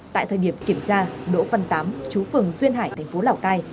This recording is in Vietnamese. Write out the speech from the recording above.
tại thời điểm kiểm tra đỗ phần tám chú phường xuyên hải tp lào cai